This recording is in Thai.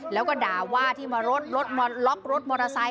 แล้วก็ด่าว่าที่มารถล็อกรถมอเตอร์ไซค